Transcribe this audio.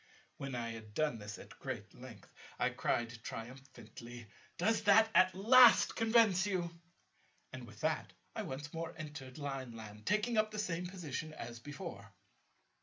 When I had done this at great length, I cried triumphantly, "Does that at last convince you?" And, with that, I once more entered Lineland, taking up the same position as before.